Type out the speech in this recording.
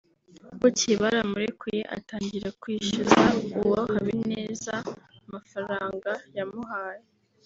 Bukeye baramurekuye atangira kwishyuza uwo Habineza amafaranga yamuhaye